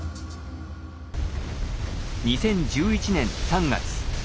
２０１１年３月。